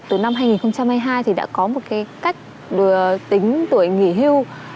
từ năm hai nghìn hai mươi hai thì đã có một cái cách tính tuổi nghỉ hưu